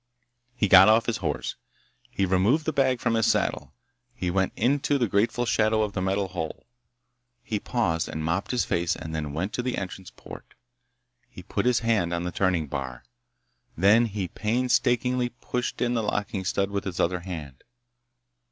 He got off his horse. He removed the bag from his saddle. He went into the grateful shadow of the metal hull. He paused and mopped his face and then went to the entrance port. He put his hand on the turning bar. Then he painstakingly pushed in the locking stud with his other hand.